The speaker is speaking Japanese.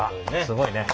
すごいね。